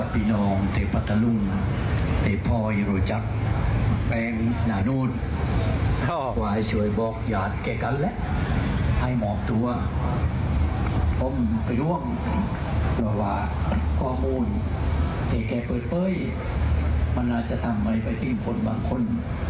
เพราะว่าข้อมูลแค่แค่เปิดเผยมันอาจจะทำอะไรไปติ้งผลบางคน